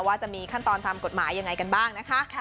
ว่าจะมีขั้นตอนตามกฎหมายยังไงกันบ้างนะคะ